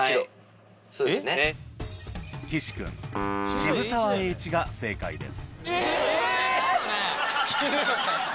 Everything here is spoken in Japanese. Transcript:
渋沢栄一が正解です